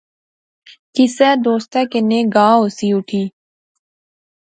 کسے دوستے کنے گا ہوسی اٹھی